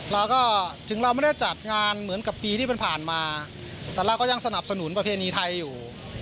เราก็ถึงเราไม่ได้จัดงานเหมือนกับปีที่ผ่านมาแต่เราก็ยังสนับสนุนประเพณีไทยอยู่